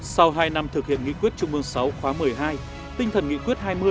sau hai năm thực hiện nghị quyết trung ương sáu khóa một mươi hai tinh thần nghị quyết hai mươi